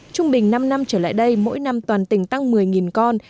trung bình năm năm trở lại đây mỗi năm toàn tỉnh tăng một mươi con